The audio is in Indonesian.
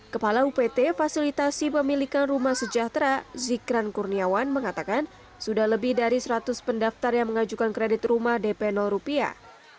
kepala upt fasilitasi pemilikan rumah sejahtera zikran kurniawan mengatakan sudah lebih dari seratus pendaftar yang mengajukan kredit rumah dp rupiah